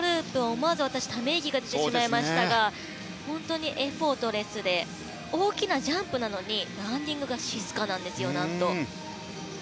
思わず私、ため息がでてしまいましたがエフォートレスで大きなジャンプなのに、何とランディングが静かなんですよ。